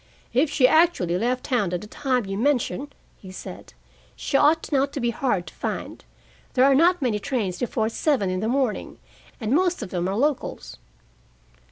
"If she actually left town at the time you mention," he said, "she ought not to be hard to find. There are not many trains before seven in the morning, and most of them are locals."